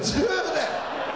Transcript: １０で。